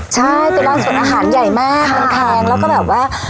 ใช่ตอนนั้นส่วนอาหารใหญ่มากใช่ค่ะมันแพงแล้วก็แบบว่า